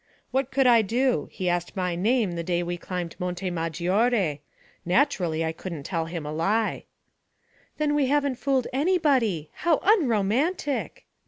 'What could I do? He asked my name the day we climbed Monte Maggiore; naturally, I couldn't tell him a lie.' 'Then we haven't fooled anybody. How unromantic!'